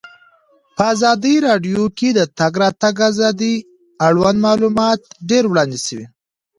په ازادي راډیو کې د د تګ راتګ ازادي اړوند معلومات ډېر وړاندې شوي.